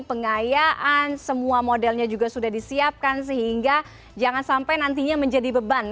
pengayaan semua modelnya juga sudah disiapkan sehingga jangan sampai nantinya menjadi beban